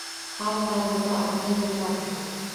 Xalq darvoza oldida yig‘iladi.